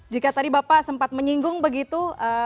jika tadi bapak sempat menyinggung begitu